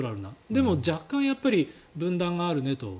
でも、若干分断があるねと。